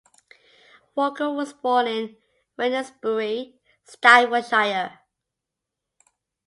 Walker was born in Wednesbury, Staffordshire.